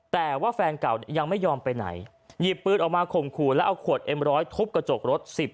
แต่ว่าแฟนเก่ายังไม่ยอมไปไหนหยิบปืนออกมาข่มขู่แล้วเอาขวดเอ็มร้อยทุบกระจกรถสิบ